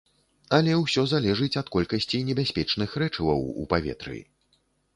Але ўсё залежыць ад колькасці небяспечных рэчываў у паветры.